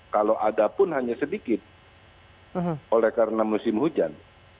kalau ada pun hanya sedikit oleh karena musim hujan